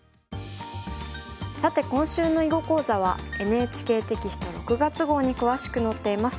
さて今週の囲碁講座はＮＨＫテキスト６月号に詳しく載っています。